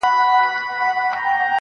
د سرو شرابو د خُمونو د غوغا لوري.